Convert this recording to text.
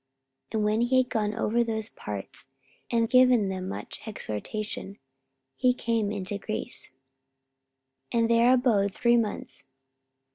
44:020:002 And when he had gone over those parts, and had given them much exhortation, he came into Greece, 44:020:003 And there abode three months.